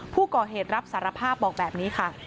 ผู้ก่อเหตุรับสารภาพบอกแบบนี้ค่ะ